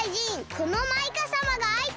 このマイカさまがあいてだ！